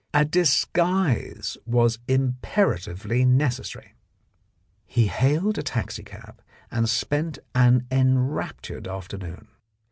A disguise was imperatively necessary. He hailed a taxicab and spent an enraptured afternoon.